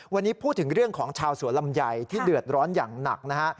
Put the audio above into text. วันนี้พูดถึงเรื่องของชาวสวนลำไยที่เดือดร้อนอย่างหนักนะฮะ